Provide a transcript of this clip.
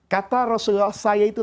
kata rasulullah saya itu